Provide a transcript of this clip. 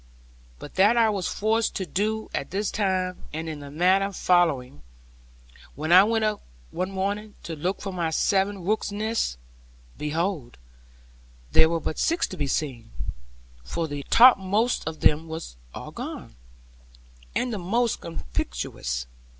But that I was forced to do at this time, and in the manner following. When I went up one morning to look for my seven rooks' nests, behold there were but six to be seen; for the topmost of them all was gone, and the most conspicuous.